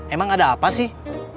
emang ada apa sih